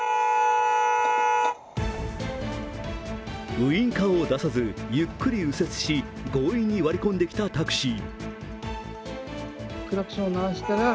ウインカーを出さず、ゆっくり右折し強引に割り込んできたタクシー。